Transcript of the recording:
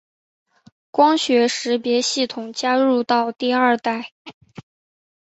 光学识别系统加入到第二代。